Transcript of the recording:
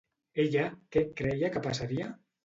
Ella què creia que passaria?